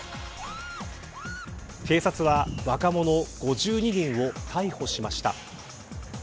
警察は若者５２人を逮捕しました。